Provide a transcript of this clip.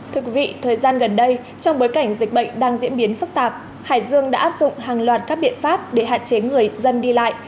thưa quý vị thời gian gần đây trong bối cảnh dịch bệnh đang diễn biến phức tạp hải dương đã áp dụng hàng loạt các biện pháp để hạn chế người dân đi lại